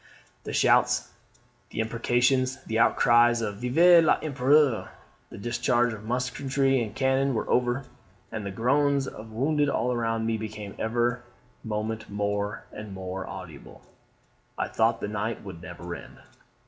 The shouts, the imprecations, the outcries of 'Vive l'Empereur!' the discharge of musketry and cannon, were over; and the groans of the wounded all around me, became every moment more and more audible. I thought the night would never end.